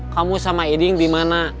kamu sama eding di mana